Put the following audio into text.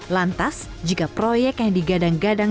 lantas jika proyek yang digadang gadang